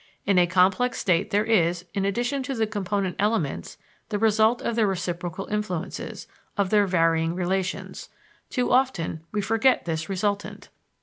In a complex state there is, in addition to the component elements, the result of their reciprocal influences, of their varying relations. Too often we forget this resultant.